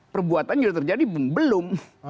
perbuatan yang terjadi belum